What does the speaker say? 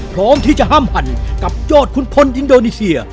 พร้อมที่จะห้ามหันกับยอดขุนพลอินโดนีเซีย